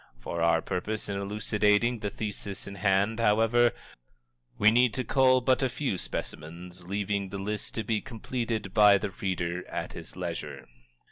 For our purpose in elucidating the thesis in hand, however, we need cull but a few specimens, leaving the list to be completed by the reader at his leisure.